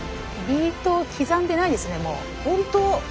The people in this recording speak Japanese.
ビートを刻んでないですねもう。